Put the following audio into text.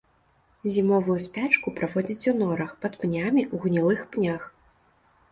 Зімовую спячку праводзіць у норах, пад пнямі, у гнілых пнях.